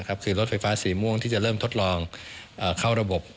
คือรถไฟฟ้าสีม่วงที่จะเริ่มทดลองเข้าระบบ